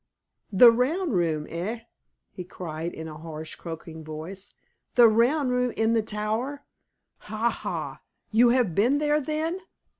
"The round room, eh?" he cried in a harsh, croaking voice "the round room in the tower? Ha! ha! you have been there, then?